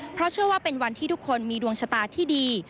เพราะเชื่อว่าเป็นวันที่ทุกคนมีดวงชะตาที่ดี